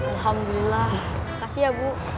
alhamdulillah makasih ya bu